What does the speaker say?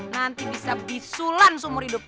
nanti bisa bisulan seumur hidup